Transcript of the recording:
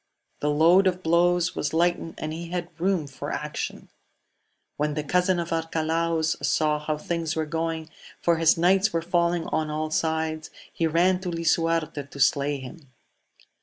The load of blows was lightened, and he had room for action. When the cousin of Arcalaus saw how things were going, for his knights were falling or sides, he ran to Lisuarte to slay him.